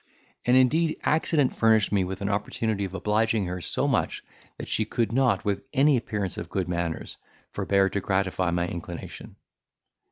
And indeed accident furnished me with an opportunity of obliging her so much that she could not, with any appearance of good manners, forbear to gratify my inclination.